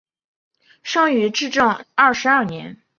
生于至正二十二年。